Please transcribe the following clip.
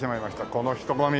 この人混み。